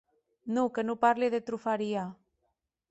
Non, que non parli de trufaria.